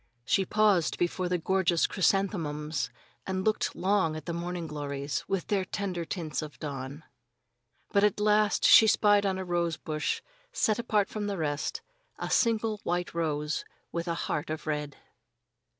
She paused before the gorgeous chrysanthemums and looked long at the morning glories, with their tender tints of dawn. But at last she spied on a rose bush, set apart from the rest, a single white rose with a heart of red.